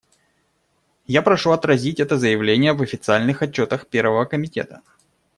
Я прошу отразить это заявление в официальных отчетах Первого комитета.